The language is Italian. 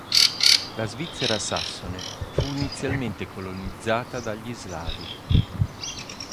La Svizzera sassone fu inizialmente colonizzata dagli Slavi.